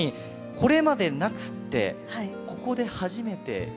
これまでなくてここで初めて入れた。